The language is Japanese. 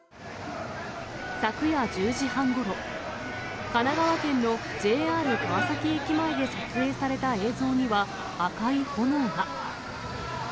昨夜１０時半ごろ、神奈川県のＪＲ川崎駅前で撮影された映像には、赤い炎が。